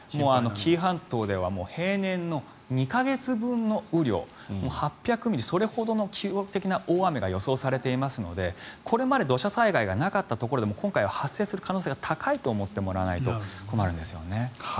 紀伊半島では平年の２か月分の雨量８００ミリそれほどの記録的な大雨が予想されていますのでこれまで土砂災害がなかったところでも今回は発生する可能性が高いと思ってもらわないと困るんですよね。